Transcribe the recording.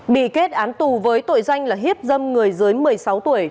bị kết án tù với tội danh là hiếp dâm người dưới một mươi sáu tuổi